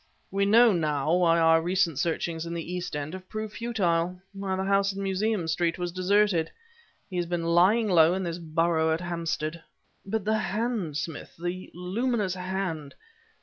We know, now, why our recent searchings in the East End have proved futile; why the house in Museum Street was deserted; he has been lying low in this burrow at Hampstead!" "But the hand, Smith, the luminous hand..."